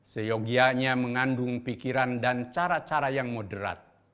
seyogianya mengandung pikiran dan cara cara yang moderat